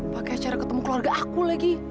pakai cara ketemu keluarga aku lagi